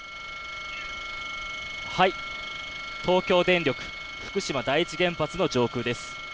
はい、東京電力福島第一原発の上空です。